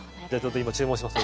今、注文します。